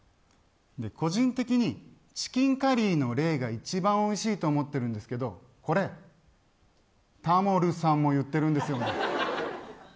個人的にチキンカリーのレーが一番おいしいと思っているんですけどこれタモルさんも言っているんですよね。